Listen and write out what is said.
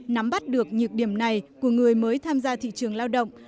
nắm bắt được nhược điểm này của người mới tham gia thị trường lao động